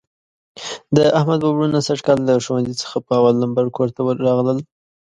د احمد دوه وروڼه سږ کال له ښوونځي څخه په اول لمبر کورته راغلل.